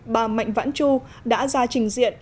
bà mạnh vãn chu đã ra trình diện